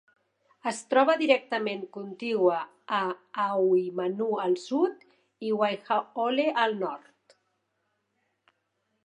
Es troba directament contigua a Ahuimanu al sud i Waiahole al nord.